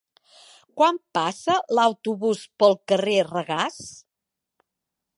Quan passa l'autobús pel carrer Regàs?